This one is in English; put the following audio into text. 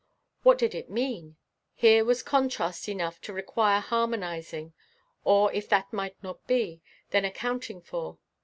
What did it mean? Here was contrast enough to require harmonising, or if that might not be, then accounting for.